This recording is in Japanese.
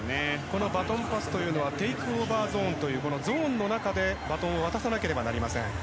バトンパスというのはテイクオーバーゾーンというゾーンの中でバトンを渡さなければなりません。